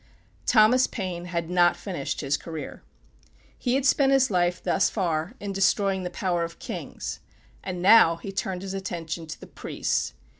Thomas Paine had not finished his career. He had spent his life thus far in destroying the power of kings, and now he turned his attention to the priests.